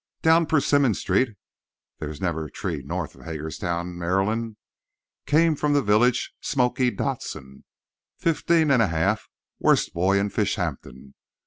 Down Persimmon Street (there's never tree north of Hagerstown, Md.) came from the village "Smoky" Dodson, fifteen and a half, worst boy in Fishampton.